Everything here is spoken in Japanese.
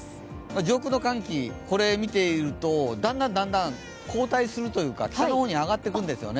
上空の寒気、これ見ていると、だんだん後退するというか北の方に上がっていくんですよね。